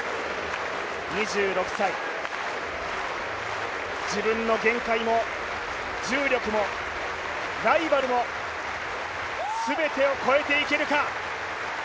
２６歳、自分の限界も、重力も、ライバルも全てを越えていけるか。